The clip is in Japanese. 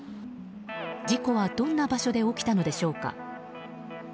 事故はどんな場所で起きたのでしょうか。